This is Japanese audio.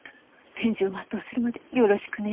天寿を全うするまでよろしくね。